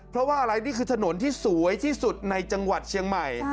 เพราะว่าอะไรนี่คือถนนที่สวยที่สุดในจังหวัดเชียงใหม่